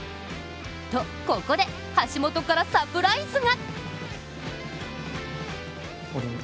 と、ここで、橋本からサプライズが。